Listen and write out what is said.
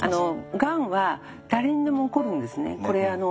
がんは誰にでも起こるんですね。